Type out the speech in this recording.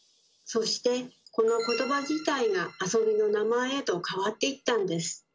そしてこのことば自体が遊びの名前へと変わっていったんです。